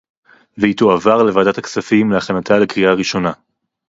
והיא תועבר לוועדת הכספים להכנתה לקריאה ראשונה